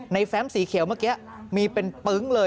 แฟมสีเขียวเมื่อกี้มีเป็นปึ๊งเลย